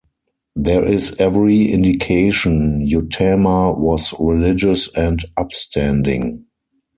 There is every indication Uttama was religious and upstanding.